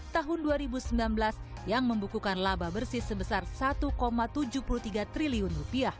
tahun dua ribu sembilan belas yang membukukan laba bersih sebesar rp satu tujuh puluh tiga triliun